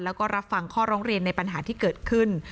แล้วก็รับฟังข้อร้องเรียนในปัญหาที่เกิดขึ้น